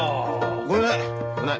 ごめんなさい。